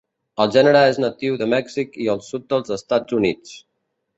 El gènere és natiu de Mèxic i el sud dels Estats Units.